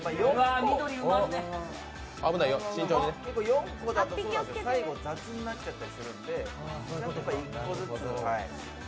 ４個だと最後、雑になっちゃったりするんで、なんとか１個ずつ。